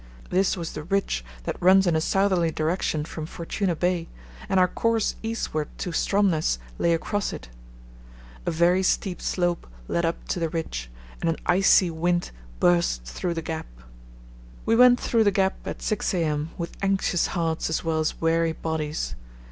This was the ridge that runs in a southerly direction from Fortuna Bay, and our course eastward to Stromness lay across it. A very steep slope led up to the ridge and an icy wind burst through the gap. We went through the gap at 6 a.m. with anxious hearts as well as weary bodies.